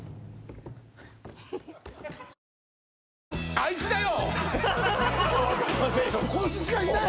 あいつだよ！